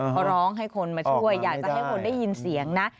เขาร้องให้คนมาช่วยอยากจะให้คนได้ยินเสียงนะ